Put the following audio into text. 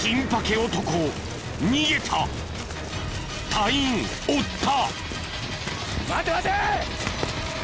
隊員追った！